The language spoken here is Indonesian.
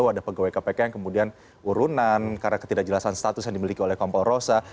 wadah pegawai kpk yang kemudian urunan karena ketidakjelasan status yang dimiliki oleh kompor rosa